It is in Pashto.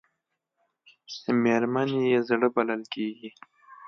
مېرمنې یې زړه بلل کېږي .